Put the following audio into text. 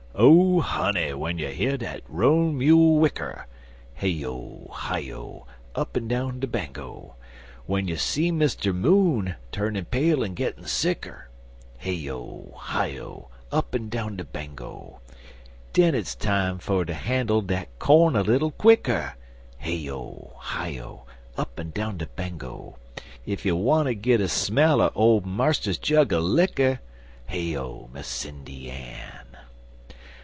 Oh, honey, w'en you year dat roan mule whicker (Hey O! Hi O! Up'n down de Bango!) W'en you see Mister Moon turnin' pale en gittin' sicker (Hey O! Hi O! Up'n down de Bango!) Den hit's time for ter handle dat corn a little quicker (Hey O! Hi O! Up'n down de Bango!) Ef you wanter git a smell er old Marster's jug er licker (Hi O, Miss Sindy Ann!)